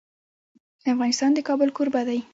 افغانستان د کابل کوربه دی.